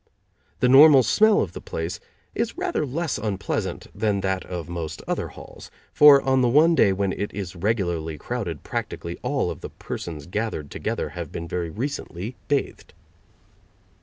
The normal smell of the place is rather less unpleasant than that of most other halls, for on the one day when it is regularly crowded practically all of the persons gathered together have been very recently bathed.